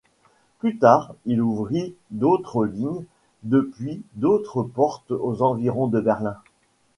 Plus tard il ouvrit d'autres lignes depuis d'autres portes aux environs de Berlin.